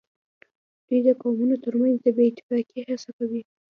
دوی د قومونو ترمنځ د بې اتفاقۍ هڅه کوي